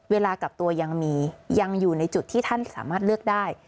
เวลากลับตัวยังมียังอยู่ในจุดที่ท่านสามารถเลือกได้